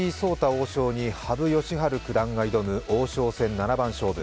王将に羽生善治九段が挑む王将戦七番勝負。